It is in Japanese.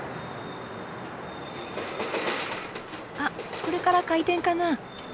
あっこれから開店かな？